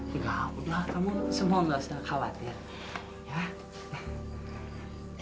enggak kamu semua gak usah khawatir